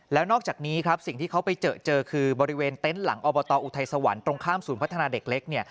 แล้วนอกจากนี้ครับสิ่งที่เขาไปเจอเจอคือบริเวณเต็นต์หลังอบตอุทัยสวรรค์ตรงข้ามศูนย์พัฒนาเด็กเล็กเนี่ย